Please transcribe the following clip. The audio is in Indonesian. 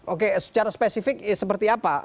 oke secara spesifik seperti apa